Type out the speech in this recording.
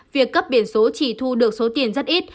việc cấp biển số chỉ thu được số tiền rất ít